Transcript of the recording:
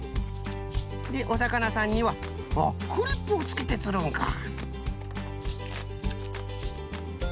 でおさかなさんにはクリップをつけてつるんか。